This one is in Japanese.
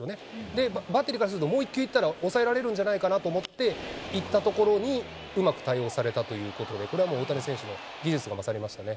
で、バッテリーからすると、もう一球したら抑えられるんじゃないかなと思って、いったところに、うまく対応されたということで、これはもう大谷選手の技術が勝りましたね。